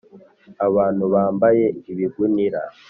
abantu bambaye ibigunira